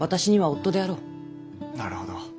なるほど。